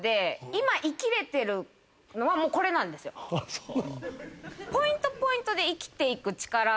そう。